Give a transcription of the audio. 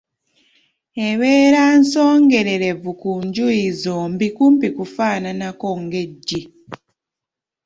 Ebeera nsongererevu ku njuyi zombi kumpi kufaananako ng'eggi.